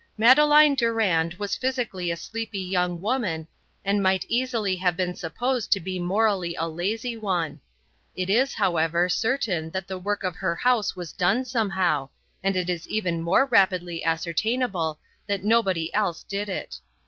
Madeleine Durand was physically a sleepy young woman, and might easily have been supposed to be morally a lazy one. It is, however, certain that the work of her house was done somehow, and it is even more rapidly ascertainable that nobody else did it.